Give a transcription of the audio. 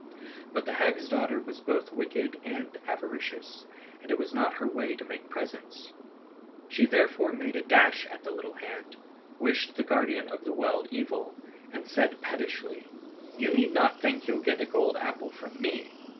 But the hag's daughter was both wicked and avaricious, and it was not her way to make presents. She therefore made a dash at the little hand, wished the guardian of the well evil, and said pettishly "You need not think you'll get a gold apple from me."